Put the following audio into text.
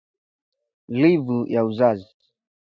Livu ya uzazi